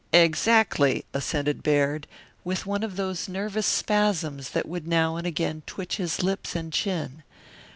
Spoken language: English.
"Exactly," assented Baird, with one of those nervous spasms that would now and again twitch his lips and chin.